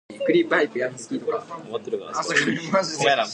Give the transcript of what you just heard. Brad was drafted from the North Bay Centennials of the Ontario Hockey League.